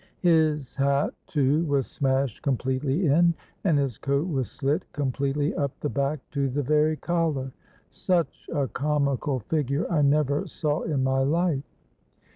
His hat, too, was smashed completely in; and his coat was slit completely up the back to the very collar. Such a comical figure I never saw in my life.